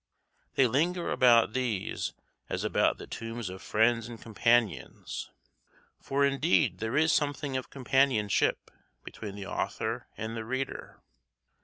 They linger about these as about the tombs of friends and companions, for indeed there is something of companionship between the author and the reader.